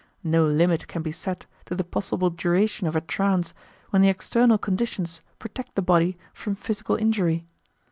No limit can be set to the possible duration of a trance when the external conditions protect the body from physical injury.